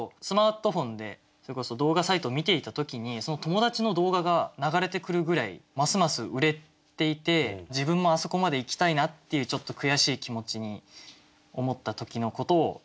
スマートフォンでそれこそ動画サイトを見ていた時にその友達の動画が流れてくるぐらいますます売れていて自分もあそこまで行きたいなっていうちょっと悔しい気持ちに思った時のことを。